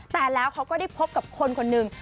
แต่แล้วเขาก็ได้พบกับคนคนหนึ่ง